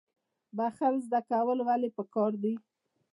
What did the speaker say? بخښل زده کول ولې پکار دي؟